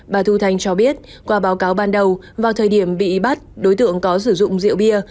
bà thu thanh cho biết qua báo cáo ban đầu vào thời điểm bị bắt đối tượng có sử dụng rượu bia